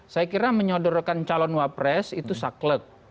saya kira menyodorkan calon wapres itu saklek